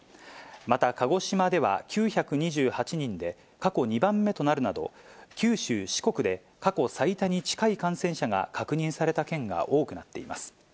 また、鹿児島では９２８人で、過去２番目となるなど、九州、四国で、過去最多に近い感染者が確認された県が多くなっています。